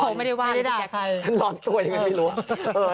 เขาไม่ได้ว่าไม่ได้ด่าใคร